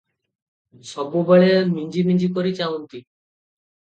ସବୁବେଳେ ମିଞ୍ଜି ମିଞ୍ଜି କରି ଚାହାଁନ୍ତି ।